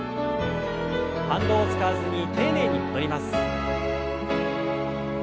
反動を使わずに丁寧に戻ります。